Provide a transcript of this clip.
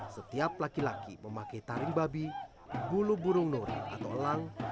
setiap laki laki memakai taring babi bulu burung nuri atau elang